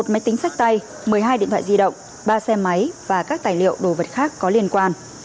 một máy tính sách tay một mươi hai điện thoại di động ba xe máy và các tài liệu đồ vật khác có liên quan